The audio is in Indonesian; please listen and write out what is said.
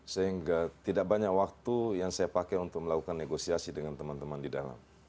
sehingga tidak banyak waktu yang saya pakai untuk melakukan negosiasi dengan teman teman di dalam